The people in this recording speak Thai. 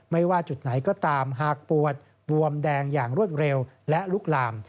ไม่ว่าจุดไหนก็ตามหากปวดบวมแดงอย่างรวดเร็วและลุกลาม